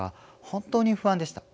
本当に不安でした。